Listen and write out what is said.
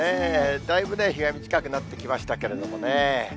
だいぶ日が短くなってきましたけれどもね。